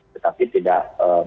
tetapi tidak membungkus